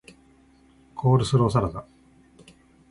コールスローサラダ